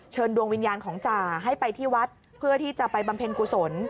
ดวงวิญญาณของจ่าให้ไปที่วัดเพื่อที่จะไปบำเพ็ญกุศล